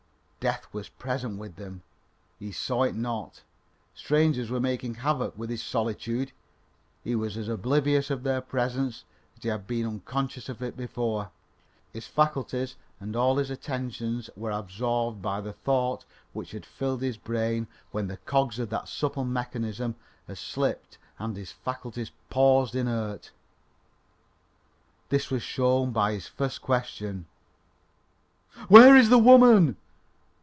Death was present with them he saw it not. Strangers were making havoc with his solitude he was as oblivious of their presence as he had been unconscious of it before. His faculties and all his attention were absorbed by the thought which had filled his brain when the cogs of that subtle mechanism had slipped and his faculties paused inert. This was shown by his first question: "WHERE IS THE WOMAN?"